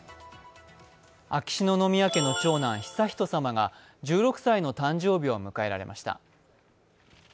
秋篠宮家の長男・悠仁さまが１６歳の誕生日を迎えられました。